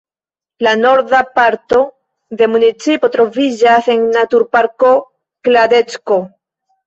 La norda parto de municipo troviĝas en naturparko Kladecko.